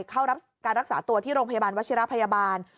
เข้ารับการรักษาตัวที่โรงพยาบาลวัชิระพยาบาล